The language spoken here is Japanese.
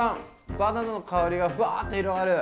バナナの香りがふわっと広がる！